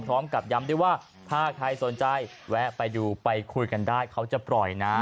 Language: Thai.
พร้อมกับย้ำด้วยว่าถ้าใครสนใจแวะไปดูไปคุยกันได้เขาจะปล่อยนะ